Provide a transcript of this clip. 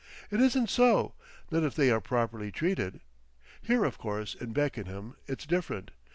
It isn't so—not if they're properly treated. Here of course in Beckenham it's different.